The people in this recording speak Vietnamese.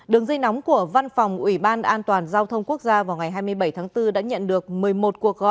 đường dây nóng của văn phòng ủy ban an toàn giao thông quốc gia vào ngày hai mươi bảy tháng bốn